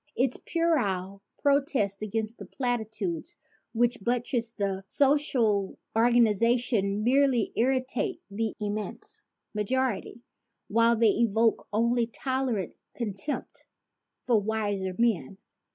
Its puerile protests against the platitudes which buttress the social organization merely irritate the immense majority, while they evoke only tolerant contempt from wiser men.